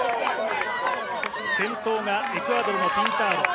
先頭がエクアドルのピンタード。